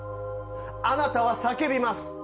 あなたは叫びます。